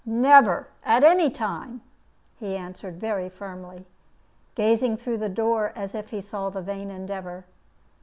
"Never, at any time," he answered, very firmly, gazing through the door as if he saw the vain endeavor.